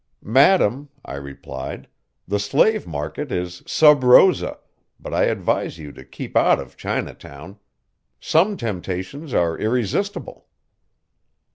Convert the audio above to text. "Madam," I replied, "the slave market is sub rosa, but I advise you to keep out of Chinatown. Some temptations are irresistible."